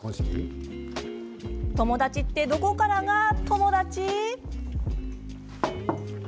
友達って、どこからが友達？